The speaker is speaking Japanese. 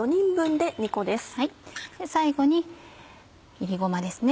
最後に炒りごまですね。